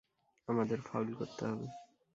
আমাদের ফাউল করতে হবে।